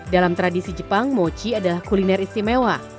dalam tradisi jepang mochi adalah kuliner istimewa